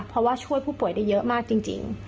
เพราะว่าช่วยผู้ป่วยได้เยอะมากจริง